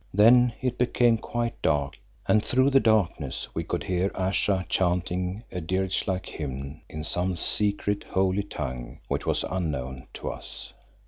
Then it became quite dark, and through the darkness we could hear Ayesha chanting a dirge like hymn in some secret, holy tongue which was unknown to us.